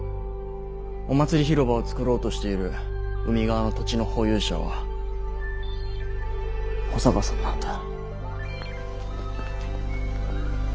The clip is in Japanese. お祭り広場を作ろうとしている海側の土地の保有者は保坂さんなんだ。